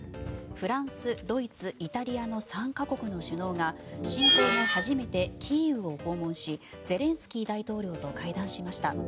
フランス、ドイツ、イタリアの３か国の首脳が侵攻後初めてキーウを訪問しゼレンスキー大統領と会談しました。